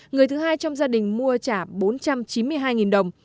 người thứ hai trong gia đình mua trả bốn trăm chín mươi hai đồng